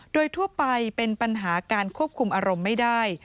โดยทั่วไปเป็นปัญหาการควบคุมอารมณ์ไม่ได้